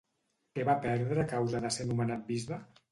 Què va perdre a causa de ser nomenat bisbe?